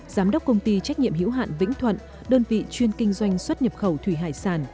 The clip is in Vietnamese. giám đốc công ty trách nhiệm hữu hạn vĩnh thuận đơn vị chuyên kinh doanh xuất nhập khẩu thủy hải sản